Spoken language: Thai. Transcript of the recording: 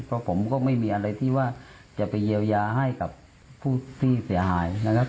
เพราะผมก็ไม่มีอะไรที่ว่าจะไปเยียวยาให้กับผู้ที่เสียหายนะครับ